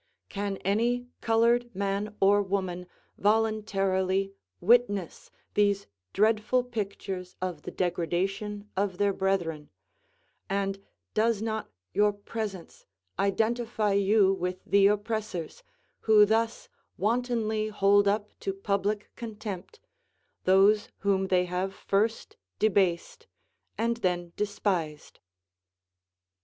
Can any colored man or woman voluntarily witness these dreadful pictures of the degradation of their brethren, and does not your presence identify you with the oppressors, who thus wantonly hold up to public contempt those whom they have first debased, and then despised.